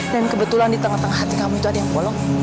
dan kebetulan di tengah tengah hati kamu itu ada yang bolong